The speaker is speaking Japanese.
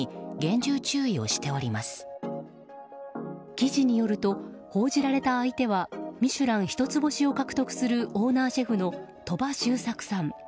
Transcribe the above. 記事によると報じられた相手は「ミシュラン」一つ星を獲得するオーナーシェフの鳥羽周作さん。